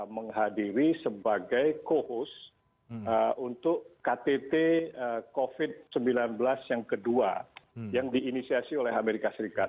menghadiri sebagai co host untuk ktt covid sembilan belas yang kedua yang diinisiasi oleh amerika serikat